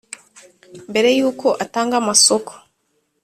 Mbere yuko atanga amasoko